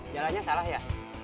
jalannya salah ya